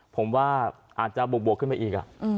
ผมว่าอาจจะบวกขึ้นมาอีก